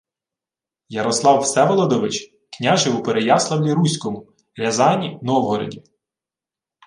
«Ярослав Всеволодович… княжив у Переяславлі-Руському, Рязані, Новгороді